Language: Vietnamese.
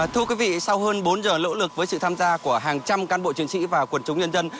thưa quý vị sau hơn bốn giờ lỗ lực với sự tham gia của hàng trăm cán bộ chiến sĩ và quần chúng nhân dân